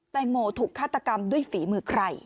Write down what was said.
งโมถูกฆาตกรรมด้วยฝีมือใคร